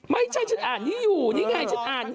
ไม่ใช่ฉันอ่านนี่อยู่นี่ไงฉันอ่าน